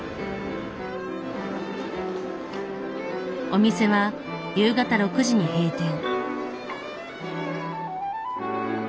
お店は夕方６時に閉店。